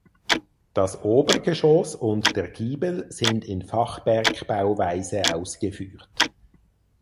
Das Obergeschoss und der Giebel sind in Fachwerkbauweise ausgeführt.